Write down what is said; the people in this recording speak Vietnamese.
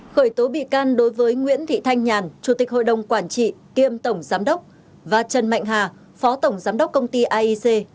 khởi tố bị can đối với nguyễn thị thanh nhàn chủ tịch hội đồng quản trị kiêm tổng giám đốc và trần mạnh hà phó tổng giám đốc công ty aic